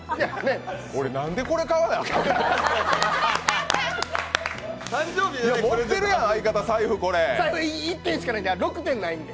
俺、何でこれ買わなあかん。